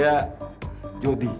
kalian selalu senang audience